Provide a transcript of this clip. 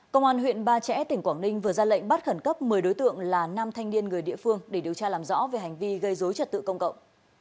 công an huyện ba trẻ tỉnh quảng ninh vừa ra lệnh bắt khẩn cấp một mươi đối tượng là nam thanh niên người địa phương để điều tra làm rõ về hành vi gây dối trật tự công cộng